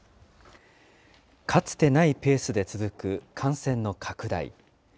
かつてないペースで続く感染の拡大。